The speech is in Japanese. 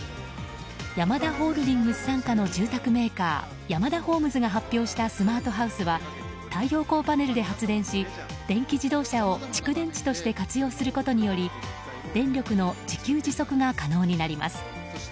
ヤマダホールディングス傘下の住宅メーカーヤマダホームズが発表したスマートハウスは太陽光パネルで発電し電気自動車を蓄電池として活用することにより電力の自給自足が可能になります。